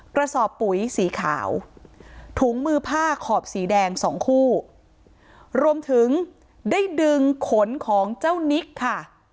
กระสอบปุ๋ยสีขาวถุงมือผ้าขอบสีแดงสองคู่รวมถึงได้ดึงขนของเจ้านิกค่ะ